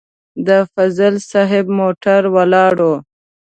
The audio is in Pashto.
د فضل صاحب موټر ولاړ و.